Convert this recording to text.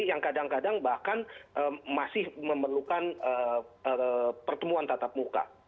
jadi yang kadang kadang bahkan masih memerlukan pertemuan tatap muka